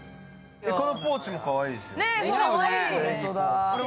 このポーチもかわいいでしょ。